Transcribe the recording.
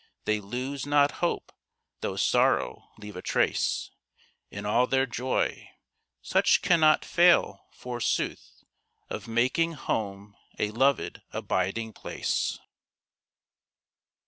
They lose not hope, though sorrow leave a trace In all their joy. Such cannot fail, forsooth, Of making home a loved abiding place.